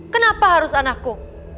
kenapa harus anakku